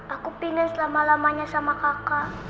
aku pilih selama lamanya sama kakak